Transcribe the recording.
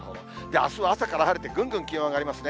あすは朝から晴れて、ぐんぐん気温上がりますね。